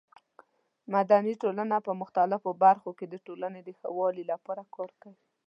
مدني ټولنه په مختلفو برخو کې د ټولنې د ښه والي لپاره کار کوي.